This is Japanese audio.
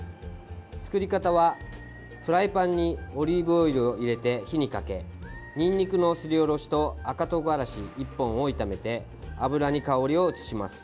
作り方は、フライパンにオリーブオイルを入れて火にかけにんにくのすりおろしと赤とうがらし１本を炒めて油に香りを移します。